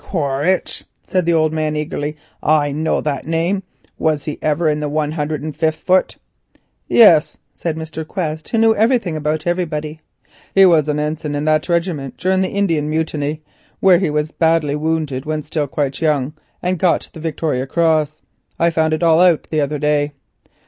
"Quaritch?" said the old man eagerly, "I know that name. Was he ever in the 105th Foot?" "Yes," said Mr. Quest, who knew everything about everybody, "he was an ensign in that regiment during the Indian Mutiny, where he was badly wounded when still quite young, and got the Victoria Cross. I found it all out the other day."